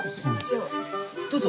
どうぞ。